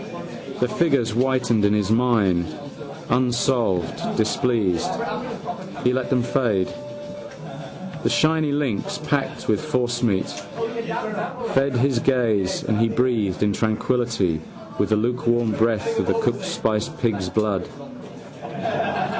The figures whitened in his mind, unsolved: displeased, he let them fade. The shiny links, packed with forcemeat, fed his gaze and he breathed in tranquilly the lukewarm breath of cooked spicy pigs' blood.